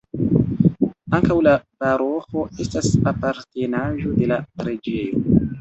Ankaŭ la paroĥo estas apartenaĵo de la preĝejo.